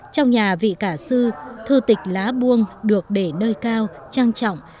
trong nhà vị cả sư thư tịch lá buông được để nơi cao trang trọng